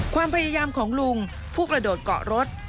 ความพยายามของลุงผู้กระโดดเกาะรถ